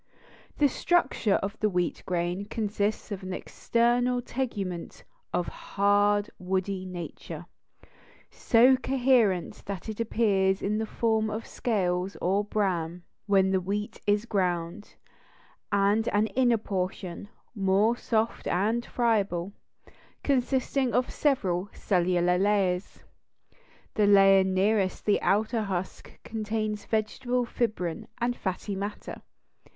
The structure of the wheat grain consists of an external tegument of a hard, woody nature, so coherent that it appears in the form of scales or bran when the wheat is ground, and an inner portion, more soft and friable, consisting of several cellular layers. The layer nearest the outer husk contains vegetable fibrin and fatty matter.